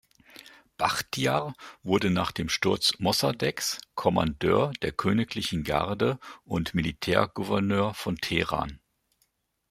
Bachtiar wurde nach dem Sturz Mossadeghs Kommandeur der königlichen Garde und Militärgouverneur von Teheran.